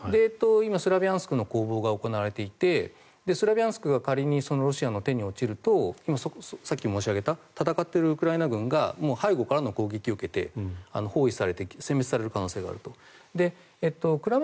今、スラビャンスクの攻防が行われていてスラビャンスクが仮にロシアの手に落ちるとさっき申し上げた戦っているウクライナ軍がもう背後からの攻撃を受けて包囲されて殲滅される可能性があると。